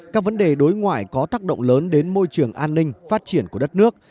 các vấn đề đối ngoại có tác động lớn đến môi trường an ninh phát triển của đất nước